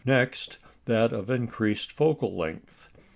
Next, that of increased focal length.